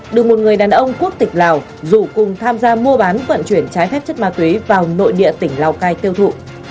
được một người đàn ông quốc tịch lào rủ cùng tham gia mua bán vận chuyển trái phép chất ma túy vào nội địa tỉnh lào cai tiêu thụ